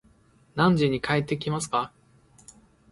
何時に帰ってきますか